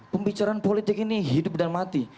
pembicaraan politik ini hidup dan mati